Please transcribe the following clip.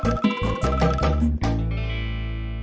kita bisa berubah